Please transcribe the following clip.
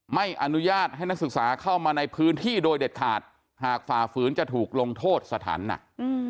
ไม่อนุญาตให้นักศึกษาเข้ามาในพื้นที่โดยเด็ดขาดหากฝ่าฝืนจะถูกลงโทษสถานหนัก